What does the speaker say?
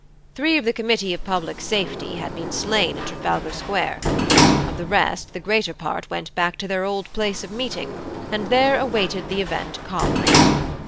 Three of the Committee of Public Safety had been slain in Trafalgar Square: of the rest the greater part went back to their old place of meeting, and there awaited the event calmly.